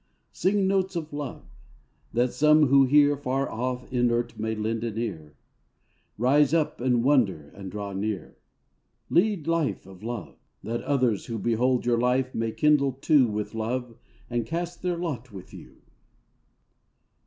Sing notes of love ; that some who hear Far off inert may lend an ear, Rise up and wonder and draw near. Lead life of love ; that others who Behold your life may kindle too With love, and cast their lot with you.